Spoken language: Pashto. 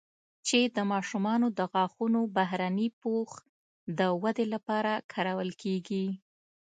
چې د ماشومانو د غاښونو بهرني پوښ د ودې لپاره کارول کېږي